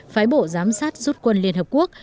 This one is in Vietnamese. phái bộ giám sát rút quân liên hợp quốc